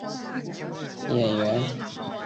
巴比亦是首位登上时代杂志封面的印度演员。